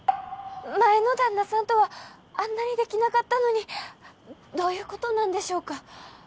前の旦那さんとはあんなにできなかったのにどういうことなんでしょうか？